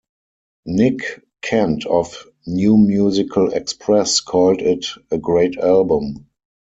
Nick Kent of "New Musical Express" called it "a great album".